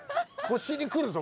腰にくるぞ。